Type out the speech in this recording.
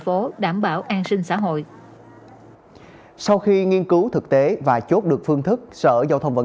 phố đảm bảo an sinh xã hội sau khi nghiên cứu thực tế và chốt được phương thức sở giao thông vận